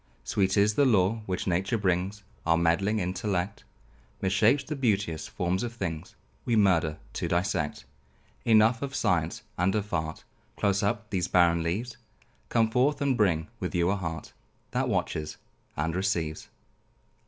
Sweet is the lore which nature brings; Our meddling intellect Mishapes the beauteous forms of things; We murder to dissect. Enough of science and of art; Close up these barren leaves; Come forth, and bring with you a heart That watches and receives.